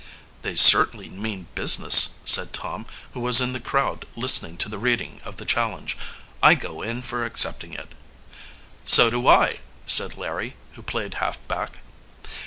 "They certainly mean business," said Tom, who was in the crowd, listening to the reading of the challenge. "I go in for accepting it." "So do I," said Larry, who played halfback.